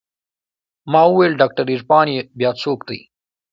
ما وويل ډاکتر عرفان يې بيا څوک دى.